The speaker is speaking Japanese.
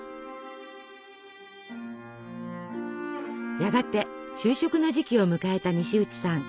やがて就職の時期を迎えた西内さん。